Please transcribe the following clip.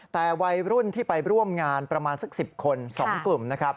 แต่วัยรุ่นที่ไปร่วมงานประมาณสัก๑๐คน๒กลุ่มนะครับ